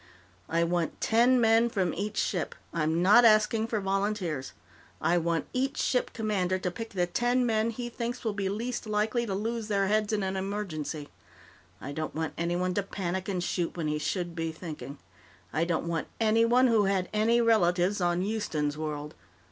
"I want ten men from each ship. I'm not asking for volunteers; I want each ship commander to pick the ten men he thinks will be least likely to lose their heads in an emergency. I don't want anyone to panic and shoot when he should be thinking. I don't want anyone who had any relatives on Houston's World.